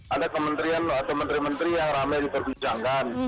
ada kementerian atau menteri menteri yang ramai diperbincangkan